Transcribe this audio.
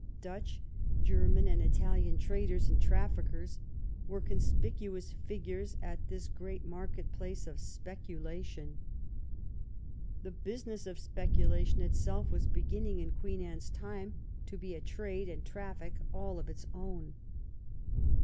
Dutch, German, and Italian traders and traffickers were conspicuous figures at this great market place of speculation. The business of speculation itself was bieginning in Queen Anne's time to be a trade and traffic all of its own.